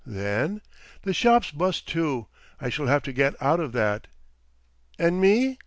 "Then—?" "The shop's bust too. I shall have to get out of that." "And me?"